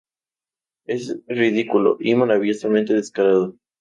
Es ridículo, y maravillosamente descarado".